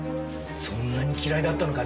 そんなに嫌いだったのか？